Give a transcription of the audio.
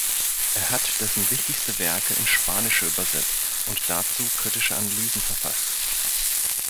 Er hat dessen wichtigste Werke ins Spanische übersetzt und dazu kritische Analysen verfasst.